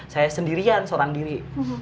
saya sendirian seorang diri